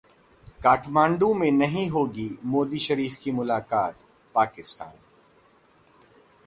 काठमांडू में नहीं होगी मोदी-शरीफ की मुलाकात: पाकिस्तान